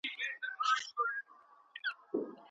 څنګه افغان صادروونکي تور جلغوزي اروپا ته لیږدوي؟